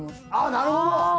なるほど！